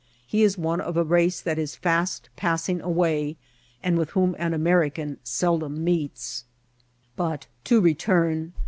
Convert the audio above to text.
He is one of a race that is Cast pass* ing away, and with whom an American seldom meets* But to return.